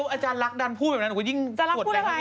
อาจารย์ลักษณ์พูดอะไรอย่างเนี่ย